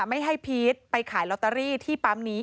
ไม่ให้พีชไปขายลอตเตอรี่ที่ปั๊มนี้